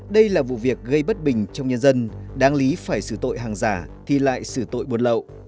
đây là vụ việc gây bất bình trong nhân dân đáng lý phải xử tội hàng giả thì lại xử tội buôn lậu